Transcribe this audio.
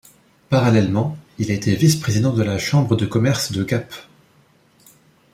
Parallèlement, il a été vice-président de la Chambre de commerce de Gap.